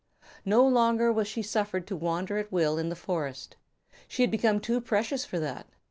No longer was she suffered to wander at will in the forest. She had become too precious for that.